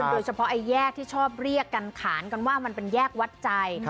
โดยเฉพาะไอ้แยกที่ชอบเรียกกันขานกันว่ามันเป็นแยกวัดใจ